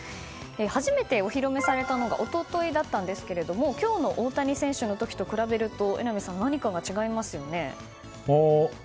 初めてお披露目されたのが一昨日だったんですが今日の大谷選手の時と比べると榎並さん、何かが違いますよね。